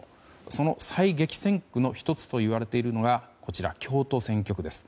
その最激戦区の１つといわれているのが京都選挙区です。